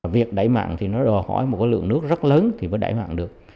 việc đẩy mặn thì nó đòi hỏi một cái lượng nước rất lớn thì mới đẩy mặn được